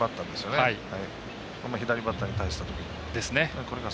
左バッターに対したときみたいな。